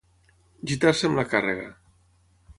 Gitar-se amb la càrrega.